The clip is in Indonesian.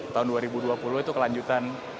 tahun dua ribu dua puluh itu kelanjutan